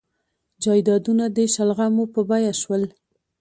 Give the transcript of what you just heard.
جایدادونه د شلغمو په بیه شول.